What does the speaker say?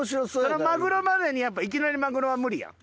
そのマグロまでにいきなりマグロは無理やん。